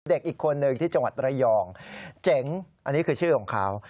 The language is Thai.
เด็กอีกคนนึงที่จังหวัดระยองเจ๋งอันนี้คือชื่อของเขา